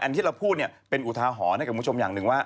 ที่เราพูดเนี่ยเป็นอุทาหรณ์ให้กับคุณผู้ชมอย่างหนึ่งว่า